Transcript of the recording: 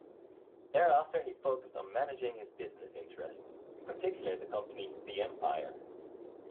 Thereafter he focused on managing his business interests, in particular the company "The Empire".